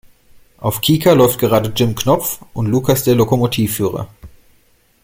Auf Kika läuft gerade Jim Knopf und Lukas der Lokomotivführer.